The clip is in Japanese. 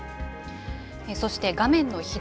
そして、画面の左。